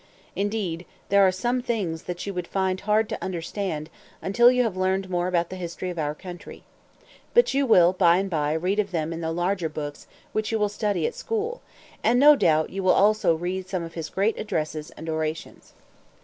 Indeed, there are some things that you would find hard to understand until you have learned more about the history of our country. But you will by and by read of them in the larger books which you will study at school; and, no doubt, you will also read some of his great addresses and orations.